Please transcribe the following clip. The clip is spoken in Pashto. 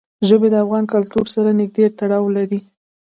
ژبې د افغان کلتور سره نږدې تړاو لري.